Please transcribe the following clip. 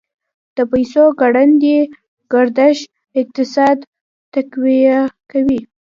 د پیسو ګړندی گردش اقتصاد تقویه کوي.